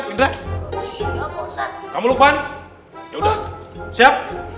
siapa ustadz kamu lukman yaudah siap